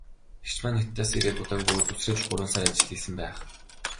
Эгч маань Хятадаас ирээд удаагүй бөгөөд үсрээд л гурван сар ажил хийсэн байх.